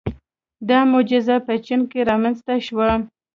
• دا معجزه په چین کې رامنځته شوه.